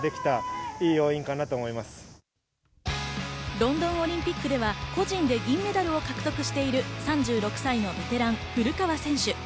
ロンドンオリンピックでは個人で銀メダルを獲得している３６歳のベテラン、古川選手。